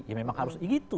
ya memang harus begitu